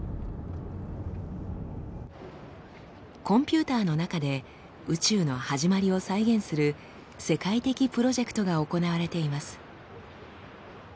コンピューターの中で宇宙の始まりを再現する世界的プロジェクトが行われています。